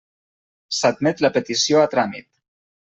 S'admet la petició a tràmit.